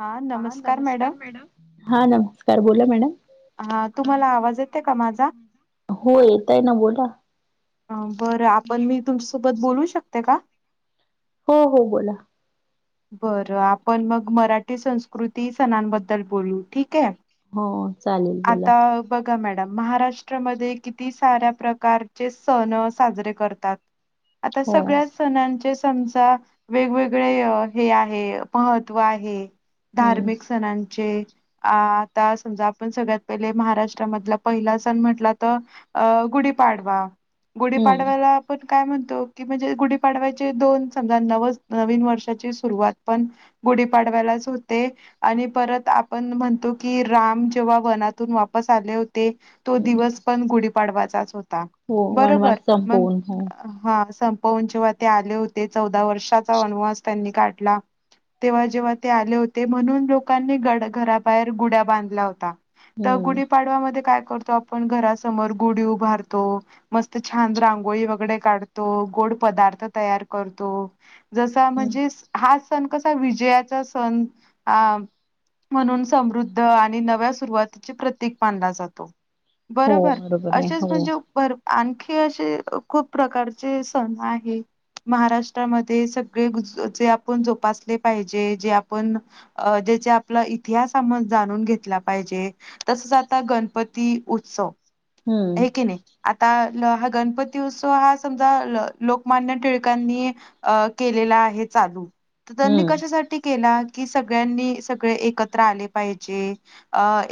हा नमस्कार मॅडम हा नमस्कार, बोला मॅडम. हा तुम्हाला आवाज तुम्हाला येते येतोय माझा? का माझा हो येतोय ना बोला बरं आपण मी तुमच्यासोबत बोलू शकते का? हो हो बोला. बरं आपण मग मराठी संस्कृती, सणांबद्दल बोलू ठीक आहे. हो चालेल बोला आता बघा मॅड महाराष्ट्रामध्ये किती साऱ्या प्रकारचे सण साजरे करतात? आता हो सगळ्या सणांचे समजा वेगवेगळे अ हे आहे महत्त्व आहे हम्म धार्मिक सणांचे अ आता समजा आपण सगळ्यात पहिले महाराष्ट्रामधला पहिला सण म्हटला तर अ गुढीपाडवा हम्म गुढीपाडवाला पण काय म्हणतो की म्हणजे गुढीपाडवायचे दोन समजा नव नवीन वर्षाची सु सुरवात पण गुढीपाडव्यालाच होते आणि परत आपण म्हणतो की राम जेप व्हा वनातून वापस आले होते तो दिवस पण गुढीपाडवाचाच होता. हो वनवास बरोबर मग संपवून हो हा सण संपवून जेव्हा ते आले होते, चौदा वर्षाचा वनवास त्यांनी काढला. तेव्हा जेव्हा ते आले होते म्हणून लोकांनी घड घराबाहेर गुड्या बांधला होता. तर हम्म गुढीपाडवामध्ये काय कर तो आपण घरा समोर गुढी उभारतो, मस्त छान रांगोळी वगैरे काढतो, गोड प पदार्थ तयार करतो जस हम्म. म्हणजे हा सण कसा विजयाचा सण आ म्हणून समृद्ध आणि नव्या सुरुवातीची प्रतीक मानला जातो. हो बरोबर आहे असेच हो म्हणजे भर आणखी असे खूप प्रकारचे सण आहे. महाराष्ट्रामध्ये सगळे गु ज चे आप जोपासले पाहिजे जे आपण ज्याचे आपला इतिहास जाणून घेतला पाहिजे. तसच आता गणपती उत्सव हम्म हे की नई आता. न हा गणपती उत्सव हा समजा लोकमान्य टिळकांनी अ केलेला आहे चालू त्यांनी हम्म कशासाठी केला? की सगळ्यांनी सगळे एकत्र आले पाहिजे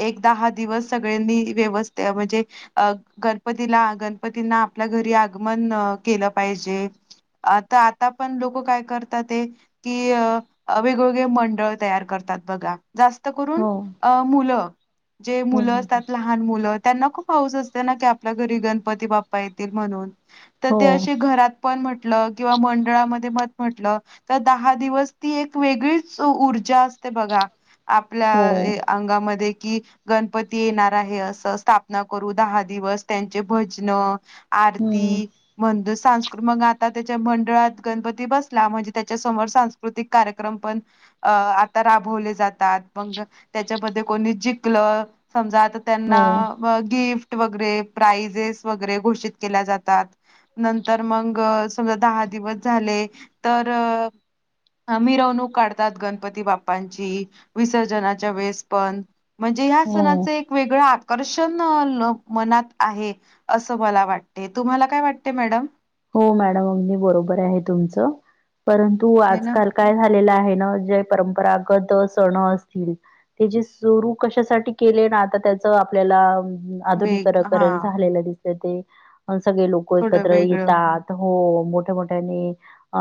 एक दहा दिवस सगळ्यांनी. ते [unintelligible] म्हणजे अ गणपतीला गणपतींना आपल्या घरी आगमन केलं पाहिजे. जे आता आता पण लोक काय करतात ते कि वेगवेगळे मंडळ तयार करतात बघा. जास्त करून हो हम्म अ मुलं जे मुलं हम्म. त्यात लहान मुलं त्यांना खूप हऊस असते ना, की आपल्या घरी गणपती बाप्पा येतील म्हणून. तर हो ते असे घरात पण म्हटलं किंवा मंडळामध्ये म म्हटलं तर दहा दिवस ती एक वेगळीच ऊर्जा असते बघा. आपल्या हो ए अंगामध्ये. कि गणपती येणार आहे असं स्थापना करू दहा दिवस त्यांचे भजन. हम्म आरती [unintelligible] मग आता त्याच्या मंडळात गणपती बसला म्हणजे, त्या [unintelligible] समोर सांस्कृतिक कार्यक्रम पण आता राबवले जातात. म त्याच्यामध्ये कोणी जिकलं समजा आ त्यांना हो गिफ्ट व प्रजिस वगैरे घोषित केल्या जातात. नंतर मग द दिवस झाले, तर मिरवणूक काढतात. गणपती बाप्पांची विसर्जनाच्या वेळेस पण. म्हणजे, ह्या हो सणाचं एक वेगळं आ आकर्षण मनात आहे. असं मला वाटते, तुम्हाला काय वाटते मॅडम? हो, मॅडम अगदी बरोबर आहे तुमचं. परंतु हे ना आजकाल काय झालेलं, आहे ना जय परं गत सण असतील, त्याचे सुरू कशासाठी केले. ना आता त्याच आपल्याला वेग हा आधुनिककरण झालेल दिसत ते सगळे लोक थोडं एकत्र वेगळं येतात हो मोठ्या मोठ्याने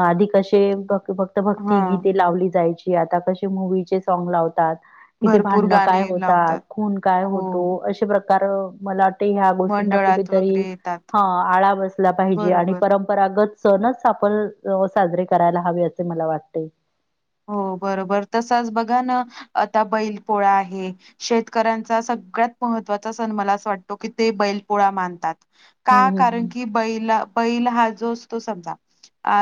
आधिक असे भक्त हा भक्ती गीते लावली जायची. आता कसे मुवीचे सॉंग लावतात. इथे भरपूर भांडण गाणे काय होतात? लावतात खून काय हो होतो, असे प्रकार [unintelligible] मला वाट ह्या गोष्टींना मंडळात कुठेतरी वगैरे येतात ह आळा बसला पाहिजे. आणि बरोबर परंपरागत सणच आपण साजरे करायला हवे, असे मला वाटते. हो बरोबर तसंच बघा ना. आता बैल पोळा आहे. शेतकऱ्यांचा सगळ्यात महत्त्वाचा सण मला अस वाटतो, की ते बै [unintelligible] मानतात हं, का हं, कारण, हं. की बैला बैल हा जो असतो. समजा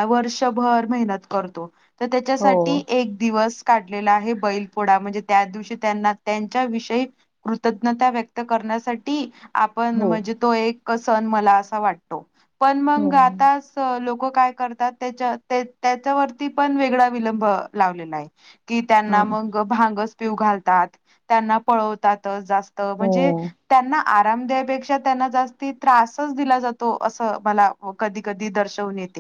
वर्षभर मेहनत करतो, तर हो, त्याच्यासाठी. ती एक दिवस. काढलेला आहे बैल पोळा म्हणजे, त्या दिवशी त्यांना त्यांच्या विषयी कृतज्ञता व्यक्त कर [unintelligible] आपण हो, म्हणजे, तो एक सण मला असा वाटते. पण हो, मग आताच लोक. काय करतात? त्या त्याच्या वरती पण वेगळा विलंब लावलेला आहे. की त्यांना हं, मग भांगच पिऊ घालतात. त्यांना पळवतातच म्हणजे हो, त्यांना आराम द्यायपेक्षा त्यांना जास्ती त्रासच दिला जातो. असं मला कधी कधी दर्शवून येत.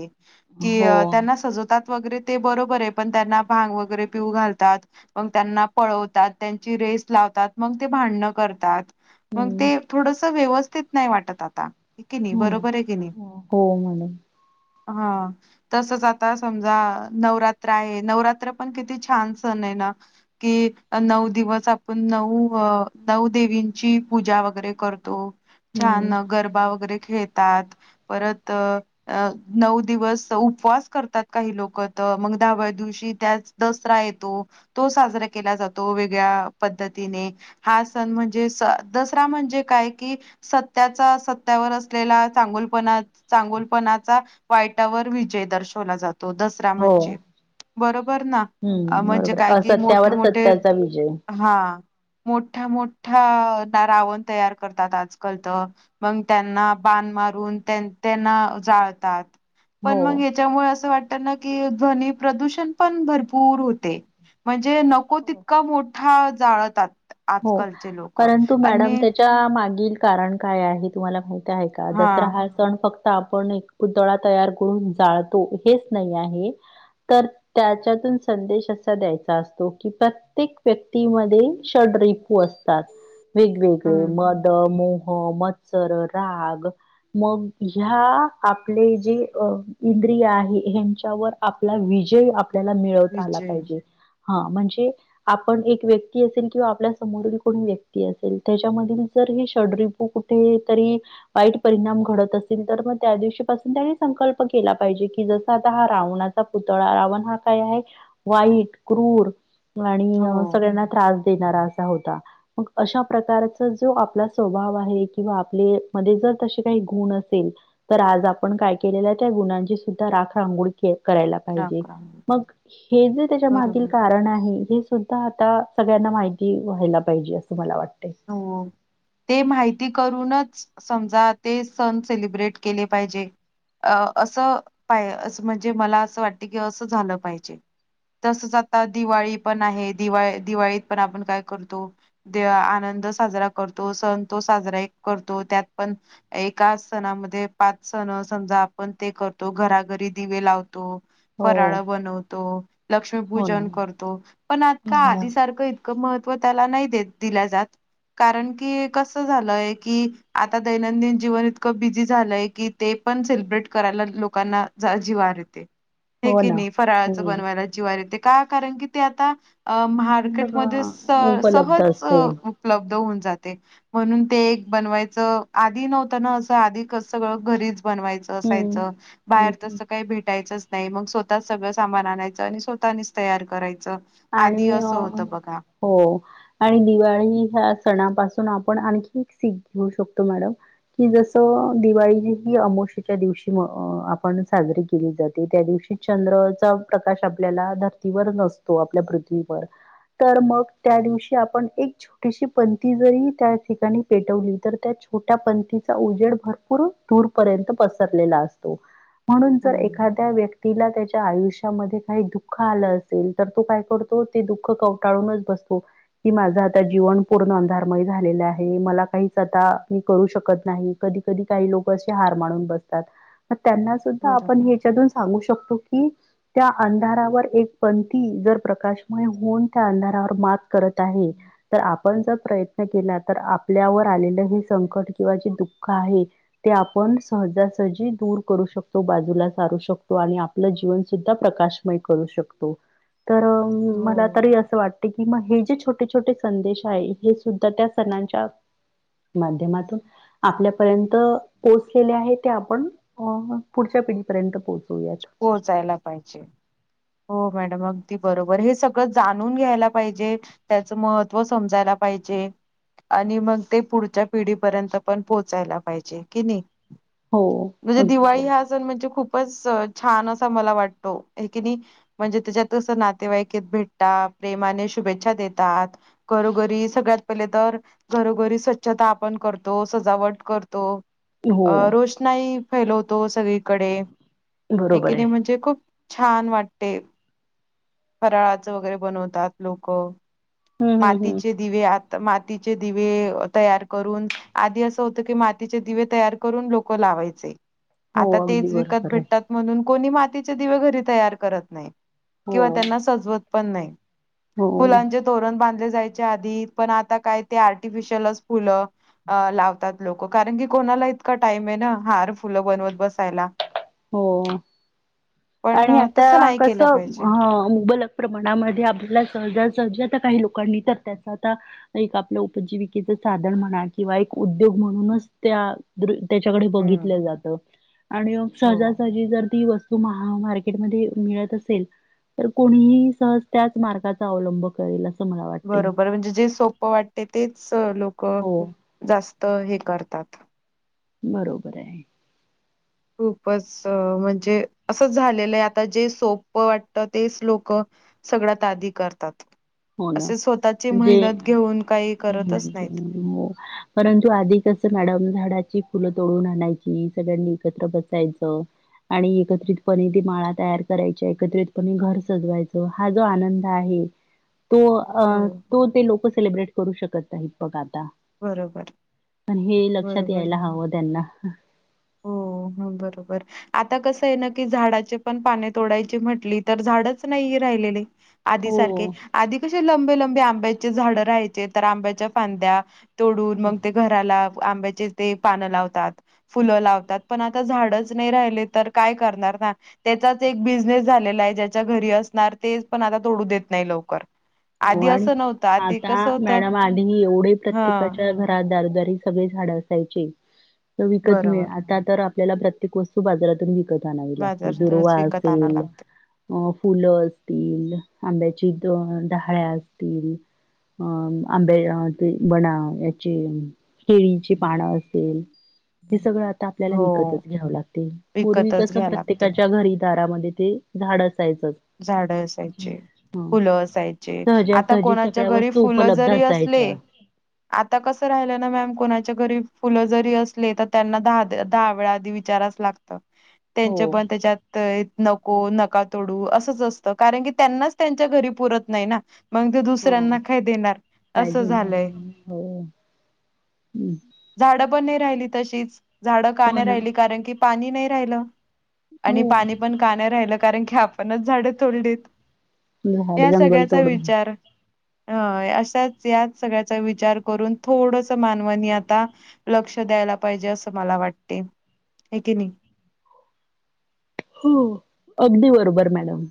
की हो. त्यांना सजवतात. वगैरे ते बरोबर आहे. पण त्यांना भांग वगैरे पिऊ घालतात. मग त्यांना पळवतात. त्यांची रेस लावतात. मग ते भा न करतात, मग हं, ते थोडस व्यवस्थित नाही वाटत आता. हो कि नाही, हो ना. बरोबर आहे. की नाही. हो म्हणे. हा तसचं आता समजा नवरात्र आहे. नवरात्र पण किती छान! सण आहे, ना कि नऊ दिवस आपण नऊ अ नऊ देवींची पूजा वगैरे, करतो. हं, छान! गरबा वगैरे खेळतात परत नऊ दिवस उपवास करतात. काही लोक त मग दहाव्या दिवशी त्यात दसरा येतो. तो साजरा केला जातो. वेगळ्या पद्धतीने हा सण म्हणजे दसरा म्हणजे, काय कि सत्याचा सत्यावर असलेला चांगुलपणा चांगुलपणाचा वाईटावर विजय दर्शवला जातो. दसरा हो. म्हणजे बरोबर ना हं, म्हणजे, बरोबर काय आहे. कि मोठे असत्यावर मोठे सत्याचा विजय. हा मोठ्या मोठ हा रावण तयार करतात. आजकाल तर मग त्यांना बाण मारून त्यां त्यांना जाळतात. हो, पण मग याच्यामुळे असं वाटत कि, ध्वनी प्रदूषण पण भरपूर होते. म्हणजे, नको हो. तितका मोठा जाळतात. हो, आजकालचे लोक परंतु मॅडम आणि त्याच्या मागील कारण, काय आहे? तुम्हाला माहिती आहे का? दसरा हा सण फक्त आपण एक पुतळा तयार करून जाळतो हेच नाही, आहे. तर त्याच्यातून संदेश असा द्यायचा असतो, की प्रत्येक व्यक्तीमध्ये [unintelligible] असतात वेगवेगळे हम्म मद मोह मद मोह मत्सर राग मग ह्या आपले जे इंद्रिय आहे यांच्यावर आपला विजय आपल्याला मिळवता आला विजय पाहिजे हा म्हणजे आपण एक व्यक्ती असेल किंवा आपल्या समोरील कोणी व्यक्ती असेल त्याच्यामधील ज कुठे तरी वाईट परिणाम घडत असेल तर मग त्या दिवशी पासून त्यानी संकल्प केला पाहिजे की जस आता हा रावणाचा पुतळा रावण हा काय आहे वाईट क्रूर आणि हो सगळ्यांना त्रास देणारा असा होता मग प्रकारचा जो आपला स्वभाव आहे किंवा आपल्या म्हणजे तशे काही गुण असेल तर आज आपण काय केलेल त्या गुणांची सुद्धा राख रांगोळी करायला राम पाहिजे राम मग हे जे त्याच्या मागील बरोबर कारण आहे हे सुद्धा आता सगळ्यांना माहिती व्हायला पाहिजे असं मला वाटतं हो ते माहिती करूनच समजा ते सण सेलिब्रेट केले पाहिजे. अ असं पा अस म्हणजे मला असं वाटते की असं झालं पाहिजे. तसच आता दिवाळी पण आहे दिवा दिवाळीत पण आपण काय करतो आनंद साजरा करतो सण तो साजरा करतो त्यात पण एका सणामध्ये पाच सण समजा आपण ते करतो घरा घरी दिवे लावतो हो फराळ बनवतो. हो ना लक्ष्मीपूजन करतो पण आज का हा आधी सारखं इतकं महत्त्व त्याला नाही दिल्या जात कारण की कस झालंय की आता दैनंदिन जीवन इतकं बिझी झालंय की ते ते पण सेलिब्रेट करायला लोकांना जरा जीवावर येते. हाय हो की ना नाही फराळाचं हम्म बनवायला जिवारी येते का कारण की ते आता अ मार्केटमध्ये सगळं स उपलब्ध सहज असते हम्म उपलब्ध होऊन जाते म्हणून ते बनवायच आधी नव्हत. ना अस आधी सगळं घरीच बनवायचं असायचं हम्म बाहेर हम्म तस काही भेटायचं नाही मग स्वतःच सगळं सामान आणायचं आणि स्वतःनीच तयार करायचं आधी आणि अ असं होतं बघा हो आणि दिवाळी ह्या सणापासून आपण आणखी एक सीख घेऊ शकतो मॅडम कि जस दिवाळी ही अमोशाच्या दिवशी आपण साजरी केली जाते त्या दिवशी चंद्रचा प्रकाश आपल्याला धरती वर नसतो, आपल्या पृथ्वीवर तर मग त्या दिवशी आपण एक छोटीशी पंती जरी त्या ठिकाणी पेटवली तर त्या छोट्या पंथीचा उजेड भरपूर दूरपर्यंत पसरलेला असतो. म्हणून जर हम्म एखाद्या व्यक्तीला त्याच्या आयुष्यामध्ये काही दुःख आलं असेल. तर तो काय करतो ते दुःख कवटाळूनच बसतो की माझं आता जीवन पूर्ण अंधारमय झालेलं मला काही आता करता, मी करू शकत नाही कधी कधी काही लोक असे हार माून बसतात. त्यांना सुद्धा आपण बरोबर. ह्याच्यातून सांगू शकतो की त्या अंधारावर एक पण ती जरा प्रकाशमान होऊन त्या अंधारावर मात करत आहे तर आपण जर प्रयत्न केला तार आपल्यावर आलेलं हे संकट किंवाे जे दुःख आहे ते आपण सहजासजी दूर करू शकतो बाजूला सारू शकतो आणि आपलं जीवन सुद्धा प्रकाशमय करू शकतो. तर मला हो. तरी असं वाटते की म हे जे छोटे छोटे संदेश आहे हे सुद्धा त्या सणांच्या माध्यमातून आपल्यापर्यंत पोहोचलेले आहे ते आपण अ पुढच्या पिढीर्यंत पोचवू. पोहोचायला पाहिजे. हो मॅडम अगदी बरोबर हे सगळं जाणून घ्यायला पाहिजे त्याचं महत्त्व समजायला पाहिजे. आणि मग ते पुढच्या पिढी पर्यंत पण पोहोचायला पाहिजे कि नाही. हो, म्हणजे अगदी दिवाळी बरोबर. हा सण म्हणजे खूपच, च छान असा मला वाटतो हायकेनाही. म्हणजे त्याच्यात कसं नातेवाईकेत भेटतात प्रेमाने शुभेच्छा देतात घरोघरी सगळ्यात पहिले तर घरोघरी स्वच्छता आपण करतो सजावट करतो, हो अं रोषणाई फैलवतो सगळीकडे बरोबर हेकेनाही आहे. म्हणजे खूप छान वाटते, फराळाचं वगैरे बनवतात लोक. हम्म हम्म हम्म. मातीचे दिव्यात मातीचे दिवे तयार करून, आधी असं होतं की मातीचे दिवे तयार करून लोक ला वायचे हो आता अगदी तेच विकत बरोबर आहे. भेटतात म्हणून कोणी मातीचे दिवे घरी तयार करत नाही किंवा हो. त्यांना सजवत पण नाही. हो. पण बांधले जायचे आधी पण आता काय ते आर्टिफिशयलच फुलं अ लावतात लोक कारण की कोणाला इतका टाईम नाही ना हार फुलं बनवत बसायला. हो. पण आणि तसं आता नाही कस केलं अ पाहिजे मुबलक प्रमाणामध्ये आपल्याला सहज सहज तर काही लोक काणी तार त्याच आता एक उपजीविकेच साधन म्हणा किंवा एक उद्योग म्हणूनच ते त्या त्याच्याकडे हम्म बघित जात आणि हो. सजासजी जर ती वस्तू महा मार्केटमध्ये मिळत असेल. तर कोणीही सहज त्याच मार्गाचा अवलंब करेल अस. बरोबर म्हणजे जे सोप वाटते तेच लोक हो जास्त त हे करतात. बरोबर आहे. खूपच म्हणजे असंच झालेलं आहे आता जे सोप वाटत तेच लोक सगळ्यात आधी करतात, असे स्वतःचे मेहत घेऊन काही करतच नाही नाहीत. हो परंतु आधी कस मॅडम झाडा ची फुलं तोडून आणायची सगळ्यांनी एकत्र बसायचं. आणि एकत्रितपणे ती माळा तयार करायच्या एकत्रितपणे घर सजवायचं हा जो आनंद आहे. तो हो, तो ते लोक सेलिब्रेट करू शकत आहेत बघा. आता बरोबर, पण हे लक्षात बरोबर. यायला हवं त्यांना. हो ह. बरोबर आता कस आहे ना की झाडाचे पण पाने तोडायची म्हटली तर झाडच नाही राहिलेले. आधी हो सारखे आधी कसे लंबे लं बे, आंब्याचे झाड राहायचे तर आंब्याच्या फांद्या तोडून मग ते घराला आंब्याचे ते पानं लावतात. फुलं लावतात पण आता झाडच नाही राहिले तर काय करणार ना त्याचाच एक बिझनेस झालेला आहे. ज्याच्या घरी असणार ते पण आता तोडू देत नाही लवकर. हो आधी आणि असं नव्हतं, आधी आता कसं होतं मॅडम आधी एवढे हां, प्रत्येकाच्या घरात दारदर सगळे झाड असायचे तार विकत मिळे बरोबर. आता तर आपल्याला प्रत्येक वस्तू बाजारातून विकत आणावी लागते बाजारातूनच दुर्वा विकत आणावं असंल लागतं. अ फुलं असतील. आंब्याची द डहाळ्या असतील. अं आंब्या ते बणा याची केळीची पानं असेल. ते सगळं. आपल्याला हो. विकतच घ्याव लागतय पूर्वी कस विकतच घ्या लागते प्रत्येकाच्या घरी दारामध्ये ते झाड अस. झाड असायचे ह फुलं असायची. आता सहजासहजी कोणाच्या सगळ्या घरी वस्तू फुल उपलब्ध जरी असले असायच्या आता कस राहिले ना मॅम घरी फुलं जरी असले तर त्यांना द दहा वेळा आधी विचारावच लागतं. हो त्यांचे पण त्याच्यात नको नका तोडू अस. च असतं कारण की त्यांनाच त्यांच्या घरी पुरत नाही ना. मंग ते हो दुसऱ्यांना काय देणार काय असं झालंय. हम्म. झाडं नाही राहिली तशीच झाडं का नाही राहिली कारण की पाणी नाही राहिलं. आणि हो पाणी पण का नाही राहिलं कारण की आपणच झाडें तोडलीत झाड या जंगल सगळ्याचा तोडून विचार ह अशाच याच सगळ्याचा विचार करून थोडंस मानवानी आता लक्ष. द्यायला पाहिजे असं मला वाटते हे किन्ही हो अगदी बरोबर मॅडम